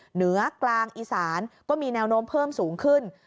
เหนือกลางอีสานก็มีแนวโน้มเพิ่มสูงขึ้น